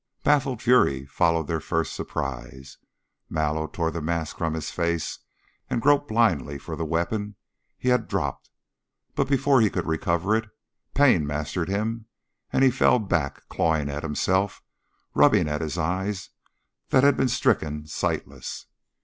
Baffled fury followed their first surprise. Mallow tore the mask from his face and groped blindly for the weapon he had dropped, but before he could recover it, pain mastered him and he fell back, clawing at himself, rubbing at his eyes that had been stricken sightless.